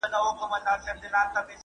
ما به د جلات خان او شمایلې داستان لوست.